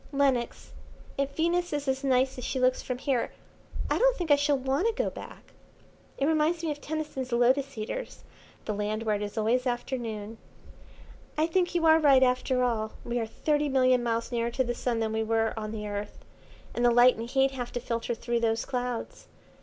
Lenox, if Venus is as nice as she looks from here I don't think I shall want to go back. It reminds me of Tennyson's Lotus Eaters, 'the Land where it is always afternoon.' "I think you are right after all. We are thirty million miles nearer to the Sun than we were on the Earth, and the light and heat have to filter through those clouds.